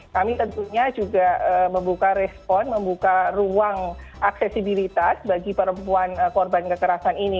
kami tentunya juga membuka respon membuka ruang aksesibilitas bagi perempuan korban kekerasan ini